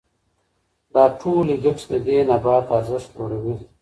دا ټولې ګټې د دې نبات ارزښت لوړوي.